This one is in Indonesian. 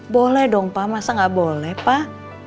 boleh dong pak masa nggak boleh pak